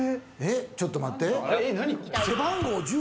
ちょっと待って。